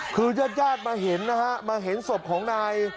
คือญาติญาติมาเห็นนะฮะมาเห็นศพของนาย